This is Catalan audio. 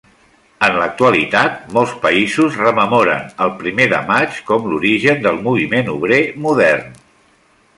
En l'actualitat, molts països rememoren el Primer de Maig com l'origen del moviment obrer modern.